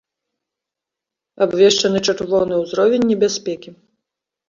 Абвешчаны чырвоны ўзровень небяспекі.